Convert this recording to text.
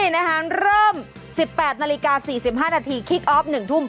เริ่ม๑๘นาฬิกา๔๕นาทีคิกออฟ๑ทุ่ม